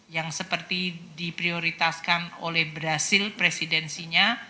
yang seperti diprioritaskan oleh brazil presidensinya